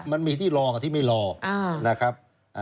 มันมีที่รอกับที่ไม่รอนะครับ